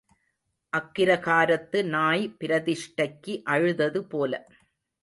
அக்கிரகாரத்து நாய் பிரதிஷ்டைக்கு அழுதது போல,